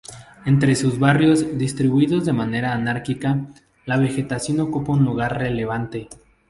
Entre sus barrios, distribuidos de manera anárquica, la vegetación ocupa un lugar relevante.